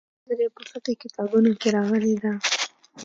دا نظریه په فقهي کتابونو کې راغلې ده.